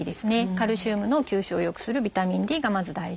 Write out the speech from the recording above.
カルシウムの吸収を良くするビタミンＤがまず大事。